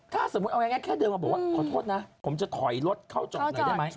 ถ้าสมมติแค่เดิมว่าขอโทษนะผมจะถอยรถเข้าจอดหน่อยได้ไหม